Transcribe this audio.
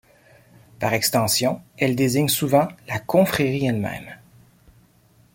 Par extension, elle désigne souvent la confrérie elle-même.